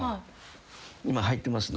今入ってますね。